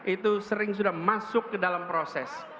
itu sering sudah masuk ke dalam proses